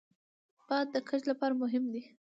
باد د کښت لپاره مهم دی